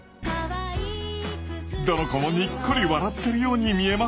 どの子もにっこり笑ってるように見えますよね。